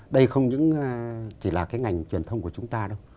đây không chỉ là ngành truyền thông của chúng ta đâu